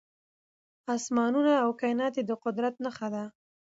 اسمانونه او کائنات يې د قدرت نښه ده .